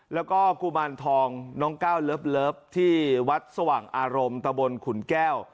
แล้วก็กุมารทองน้องก้าวเลิฟที่วัดสว่างอารมณ์ตะบนขุนแก้ว